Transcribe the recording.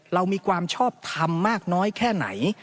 เรามีความชอบทำมากน้อยแค่ไหน